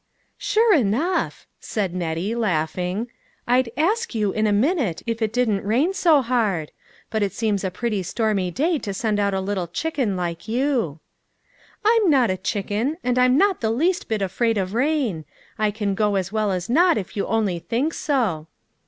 "" Sure enough !" said Nettie, laughing, " I'd * ask ' you in a minute if it didn't rain so hard ; but it seems a pretty stormy day to send out a little chicken like you." " I'm not a chicken, and I'm not the least est bit afraid of rain ; I can go as well as not if you only think so."